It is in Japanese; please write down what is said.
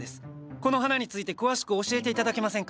この花について詳しく教えて頂けませんか？